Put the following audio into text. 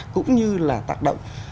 cũng như là tác động